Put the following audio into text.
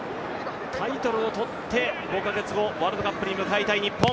タイトルをとって５カ月後、ワールドカップに向かいたい日本。